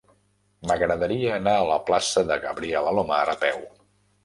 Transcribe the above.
M'agradaria anar a la plaça de Gabriel Alomar a peu.